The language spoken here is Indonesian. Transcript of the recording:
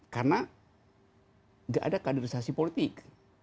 karena tidak ada kaderisasi politik